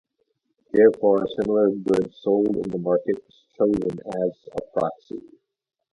Therefore, a similar good sold in the market is chosen as a proxy.